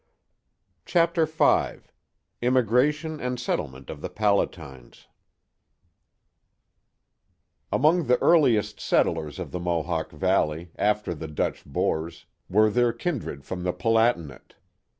'* Chapter V Immigration and Settlement of the Palatines AMONG the earliest settlers of the Mohawk Valley, after the Dutch Boers, were their kindred from the Palatinate.